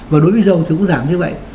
và đối với dầu thì cũng giảm như vậy